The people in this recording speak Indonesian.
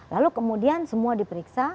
lalu kemudian semua diperiksa